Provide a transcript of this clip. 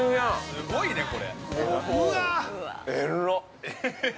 すごいね、これ。